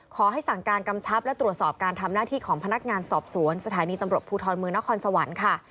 ขอให้สั่งการกำชับและตรวจสอบการทำหน้าที่ของพนักงานสอบสวนสถานีตำรวจภูทรเมืองนครสวรรค์ค่ะ